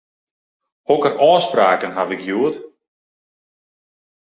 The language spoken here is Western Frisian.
Hokker ôfspraken haw ik hjoed?